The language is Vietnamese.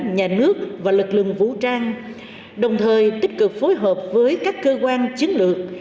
nhà nước và lực lượng vũ trang đồng thời tích cực phối hợp với các cơ quan chiến lược